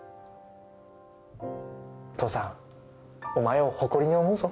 父さんお前を誇りに思うぞ